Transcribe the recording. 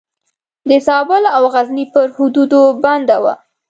د زابل او غزني پر حدودو بنده وه.